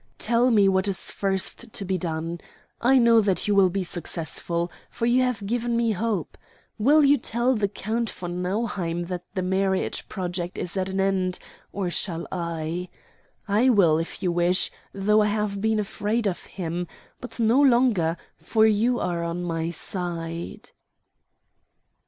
Tell me what is first to be done. I know that you will be successful, for you have given me hope. Will you tell the Count von Nauheim that the marriage project is at an end, or shall I? I will, if you wish, though I have been afraid of him; but no longer, for you are on my side."